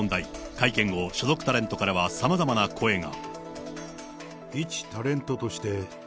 会見後、所属タレントからはさまざまな声が。